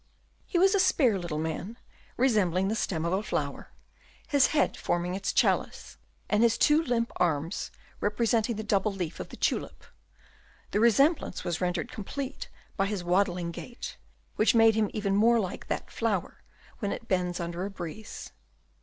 He was a spare little man, resembling the stem of a flower, his head forming its chalice, and his two limp arms representing the double leaf of the tulip; the resemblance was rendered complete by his waddling gait which made him even more like that flower when it bends under a breeze.